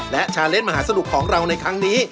และชาเลสมหาสนุกของเราในครั้งนี้